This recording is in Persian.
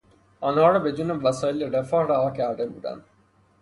آنها را بدون وسایل رفاه رها کرده بودند.